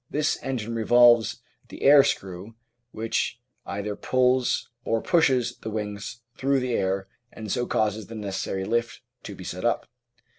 This engine revolves the air screw which either pulls or pushes the wings through the air and so causes the necessary lift to be set up.